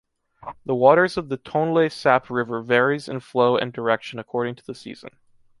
The water of the Tonlé Sap river varies in flow and direction according to the season.